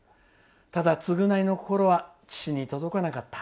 ただ、償いの心は父に届かなかった。